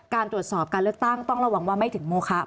การตรวจสอบการเลือกตั้งต้องระวังว่าไม่ถึงโมคะ